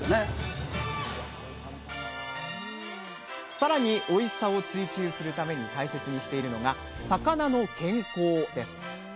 さらにおいしさを追求するために大切にしているのが魚の健康です